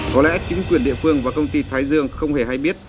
có lẽ chính quyền địa phương và công ty thái dương không hề hay biết